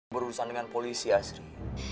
berurusan dengan polisi asri